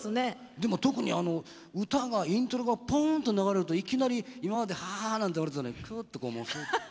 でも特にあの歌がイントロがポンと流れるといきなり今までハハハなんて笑ってたのにくっとこう。